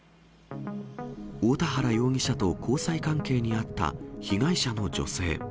大田原容疑者と交際関係にあった被害者の女性。